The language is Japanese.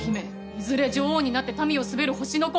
いずれ女王になって民を統べる星の子。